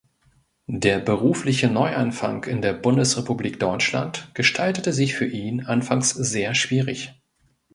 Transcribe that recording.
Der berufliche Neuanfang in der Bundesrepublik Deutschland gestaltete sich für ihn anfangs sehr schwierig.